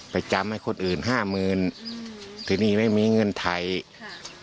ไปจำให้คนอื่นห้ามืนทีนี้ไม่มีเงินไถค่ะ